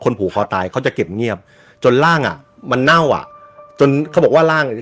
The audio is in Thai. ผูกคอตายเขาจะเก็บเงียบจนร่างอ่ะมันเน่าอ่ะจนเขาบอกว่าร่างอ่ะ